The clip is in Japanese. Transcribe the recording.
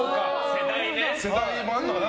世代もあるのかな。